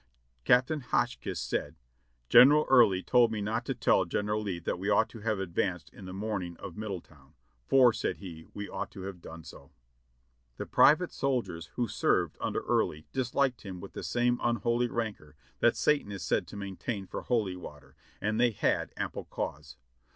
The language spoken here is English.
Captain Hotchkiss said : "General Early told me not to tell General Lee that we ought to have advanced in the morning at Middletown, for, said he, 'we ought to have done so.' " The private Soldiers who served under Early disliked him with the same unholy rancor that Satan is said to maintain for holy water, and they had ample cause.